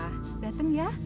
hanya diaerg consideration